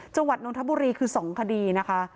จงหวัดนวลธับุรีหรือ๒คดีนะคะ